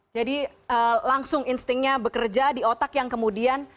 jadi langsung instingnya bekerja di otak yang kemudian